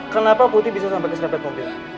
kenapa putri bisa sampai keserempet mobil